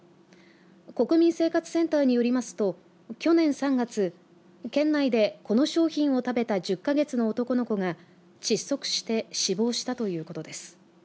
国民生活センターによりますと去年３月県内でこの商品を食べた１０か月の男の子が窒息して死亡したということです。